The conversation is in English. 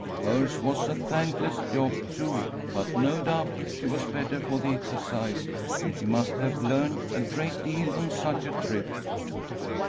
Hers was a thankless job, too, but no doubt she was better for the exercise, and she must have learned a great deal on such a trip."